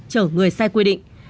chở người sai quy định